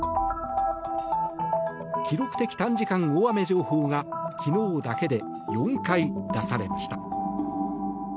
記録的短時間大雨情報が昨日だけで４回出されました。